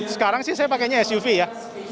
sekarang sih saya pakainya suv ya